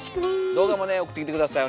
動画もね送ってきて下さい。